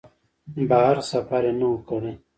بهر سفر یې نه و کړی.